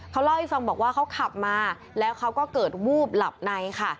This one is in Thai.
เขาเล่าให้ฟังบอกว่าเขาขับมาแล้วเขาก็เกิดวูบหลับในค่ะ